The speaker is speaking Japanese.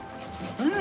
うん！